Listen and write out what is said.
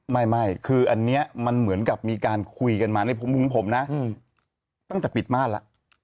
ไม่คืออันนี้มันเหมือนกับมีการคุยกันมาในมุมของผมนะตั้งแต่ปิดม่านแล้ว